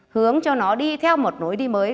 hướng cho nó đi theo một nối đi mới